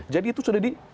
jadi itu sudah di